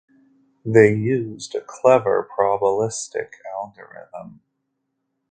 They used a clever probabilistic algorithm.